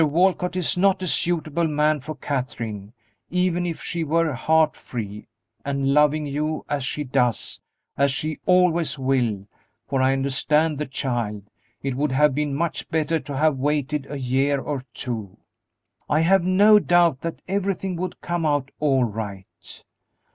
Walcott is not a suitable man for Katherine, even if she were heart free, and loving you as she does as she always will, for I understand the child it would have been much better to have waited a year or two; I have no doubt that everything would come out all right.